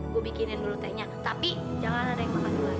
gue bikinin dulu tehnya tapi jangan ada yang makan dulu aja ya